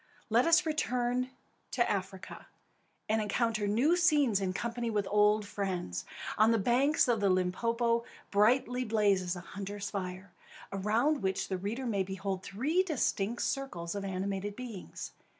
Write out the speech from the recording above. Let us return to Africa, and encounter new scenes in company with old friends. On the banks of the Limpopo brightly blazes a hunter's fire, around which the reader may behold three distinct circles of animated beings.